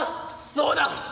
「そうだ！